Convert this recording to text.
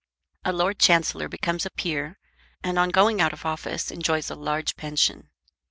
A Lord Chancellor becomes a peer, and on going out of office enjoys a large pension.